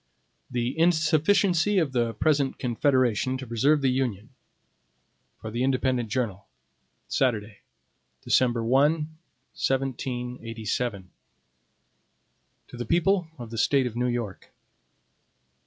15 The Insufficiency of the Present Confederation to Preserve the Union For the Independent Journal. Saturday, December 1, 1787 HAMILTON To the People of the State of New York.